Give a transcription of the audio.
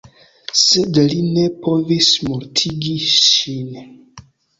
Sed li ne povis mortigi ŝin.